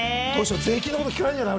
税金のこと聞かれるんじゃない？